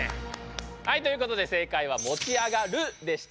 はいということで正解は持ち上がるでした。